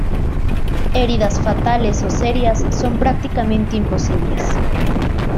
Heridas fatales o serias son prácticamente imposibles.